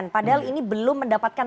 padahal ini belum mendapatkan